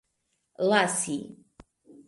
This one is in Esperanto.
lasi